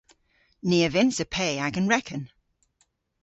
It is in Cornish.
Ni a vynnsa pe agan reken.